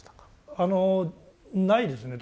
あのないですね